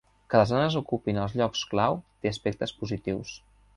Que les dones ocupin els llocs clau té aspectes positius.